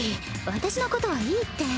私のことはいいって。